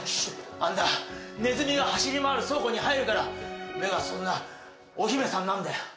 あんたネズミが走り回る倉庫に入るから目がそんなお姫さんなんだよ。